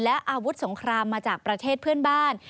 และอาวุธสงครามมาจากประเทศเพื่อนบ้าน